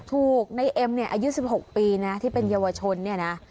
ถูกในเอ็มเนี่ยอายุ๑๖ปีนะที่เป็นเยาวชนเนี่ยนะ